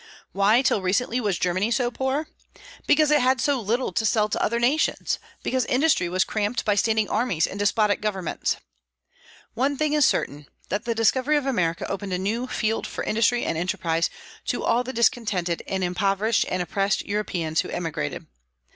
Why till recently was Germany so poor? Because it had so little to sell to other nations; because industry was cramped by standing armies and despotic governments. One thing is certain, that the discovery of America opened a new field for industry and enterprise to all the discontented and impoverished and oppressed Europeans who emigrated.